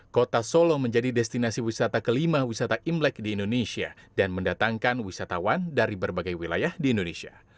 kota solo menjadi destinasi wisata kelima wisata imlek di indonesia dan mendatangkan wisatawan dari berbagai wilayah di indonesia